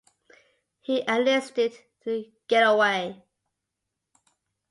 He enlisted to get away.